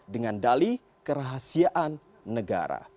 dengan dali kerahasiaan negara